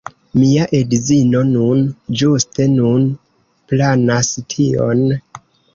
Mia edzino nun, ĝuste nun, planas tion.